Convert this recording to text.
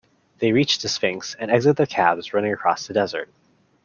They reach the Sphinx, and exit their cabs, running across the desert.